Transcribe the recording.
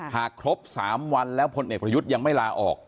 หากครบ๓วันแล้วพลเอกประยุทธ์ยังไม่ลาออก